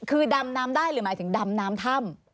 คือดำน้ำได้หรือหมายถึงดำน้ำถ้ำ